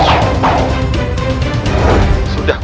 bumbu takut hp